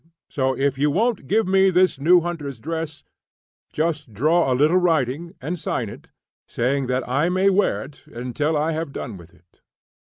So, if you won't give me this new hunter's dress, just draw a little writing, and sign it, saying that I may wear it until I have done with it."